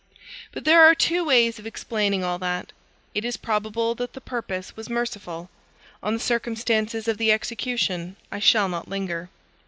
But there are two ways of explaining all that. It is probable that the purpose was merciful. On the circumstances of the execution I shall not linger.